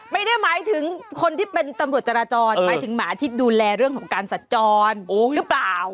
ไม่ได้หมายถึงคนที่เป็นตำรวจจราจรหมายถึงหมาที่ดูแลเรื่องของการสัจจรหรือเปล่า